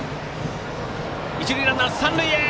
一塁ランナーは三塁へ！